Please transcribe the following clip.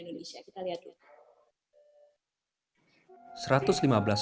kita lihat dulu